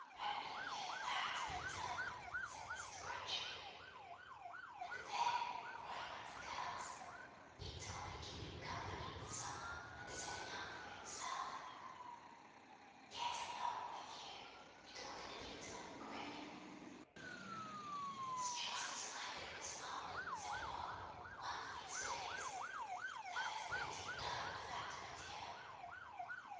"Only hear that, Peter," said Mrs. Cratchit. "And then," cried one of the girls, "Peter will be keeping company with some one, and setting up for himself." "Get along with you!" retorted Peter, grinning. "It's just as likely as not," said Bob, "one of these days; though there's plenty of time for that, my dear.